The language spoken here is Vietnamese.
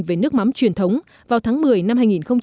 về nước mắm truyền thống vào tháng một mươi năm hai nghìn một mươi chín